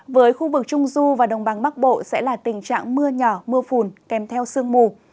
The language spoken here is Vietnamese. với khu vực trung du và đồng bằng bắc bộ sẽ là tình trạng mưa nhỏ mưa phùn kèm theo sương mù